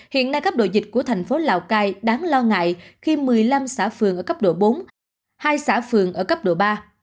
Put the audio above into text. hiện nay cấp độ dịch của thành phố lào cai đáng lo ngại khi một mươi năm xã phường ở cấp độ bốn hai xã phường ở cấp độ ba